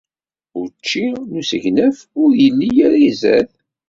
Učči n usegnaf ur yelli ara izad.